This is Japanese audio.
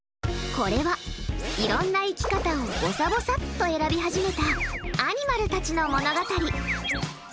これは、いろんな生き方をぼさぼさっと選び始めたアニマルたちの物語。